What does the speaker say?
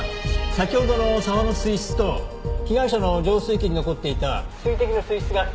先ほどの沢の水質と被害者の浄水器に残っていた水滴の水質が一致しました。